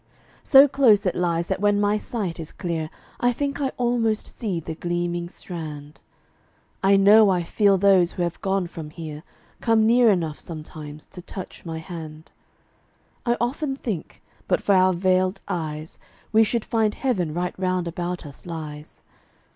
So close it lies that when my sight is clear I think I almost see the gleaming strand. I know I feel those who have gone from here Come near enough sometimes to touch my hand. I often think, but for our veiled eyes, We should find Heaven right round about us lies.